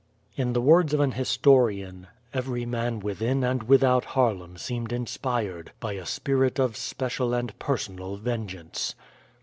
In the words of an historian, "Every man within and without Haarlem seemed inspired by a spirit of special and personal vengeance."